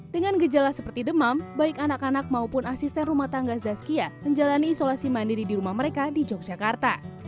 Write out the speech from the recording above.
dengan gejala seperti demam baik anak anak maupun asisten rumah tangga zazkia menjalani isolasi mandiri di rumah mereka di yogyakarta